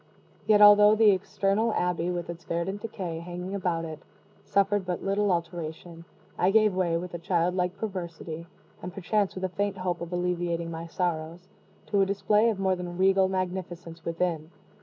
Yet although the external abbey, with its verdant decay hanging about it, suffered but little alteration, I gave way, with a child like perversity, and perchance with a faint hope of alleviating my sorrows, to a display of more than regal magnificence within.